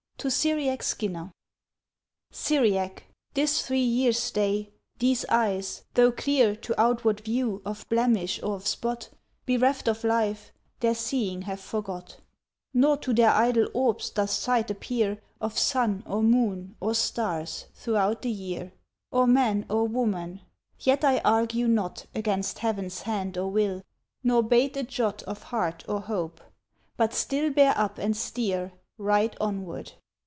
TO CYRIACK SKINNER. Cyriack, this three years' day, these eyes, though clear, To outward view, of blemish or of spot, Bereft of light, their seeing have forgot: Nor to their idle orbs doth sight appear Of sun, or moon, or stars, throughout the year, Or man or woman, yet I argue not Against Heaven's hand or will, nor bate a jot Of heart or hope; but still bear up and steer Right onward.